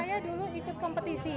saya dulu ikut kompetisi